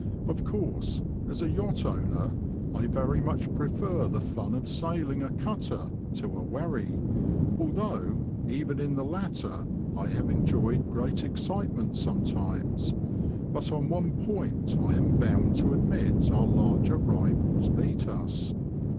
Of course, as a yacht owner, I very much prefer the fun of sailing a cutter to a wherry, although, even in the latter, I have enjoyed great excitement sometimes ; but on one point I am bound to admit our larger rivals beat us.